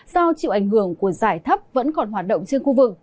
do chịu ảnh hưởng của giải thấp vẫn còn hoạt động trên khu vực